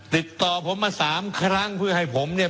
ติดต่อผมมาสามครั้งเพื่อให้ผมเนี่ย